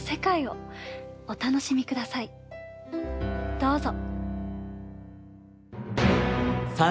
どうぞ。